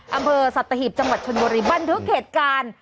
อำเภอสัตหีบจังหวัดชนบุรีบันทึกเหตุการณ์